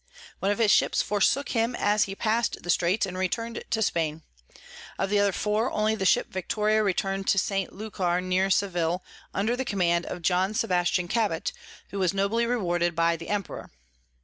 One of his Ships forsook him as he pass'd the Straits, and return'd to Spain: of the other four, only the Ship Victoria return'd to St. Lucar near Sevil, under the Command of John Sebastian Cabot, who was nobly rewarded by the Emperor.